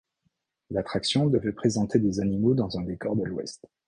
L'attraction devait présenter des animaux dans un décor de l'ouest.